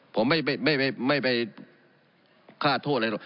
ผมไม่ไปฆ่าโทษอะไร